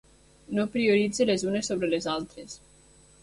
No prioritza les unes sobre les altres.